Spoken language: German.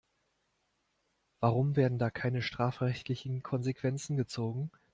Warum werden da keine strafrechtlichen Konsequenzen gezogen?